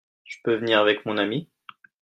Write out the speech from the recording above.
Je peux venir avec mon ami ?